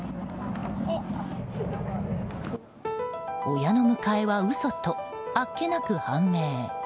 親の迎えは嘘とあっけなく判明。